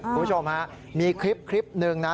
คุณผู้ชมฮะมีคลิปหนึ่งนะ